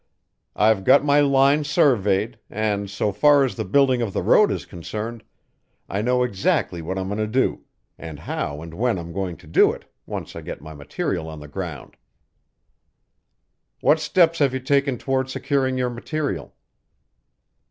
I've got my line surveyed, and so far as the building of the road is concerned, I know exactly what I'm going to do, and how and when I'm going to do it, once I get my material on the ground." "What steps have you taken toward securing your material?"